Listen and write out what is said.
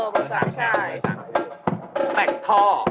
เบอร์๒แต่งท่อ